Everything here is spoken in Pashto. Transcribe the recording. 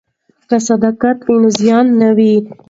که صداقت وي نو زیان نه وي.